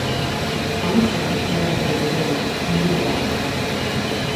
Abuztuan, hilabeterik beroena, ingurukoa da.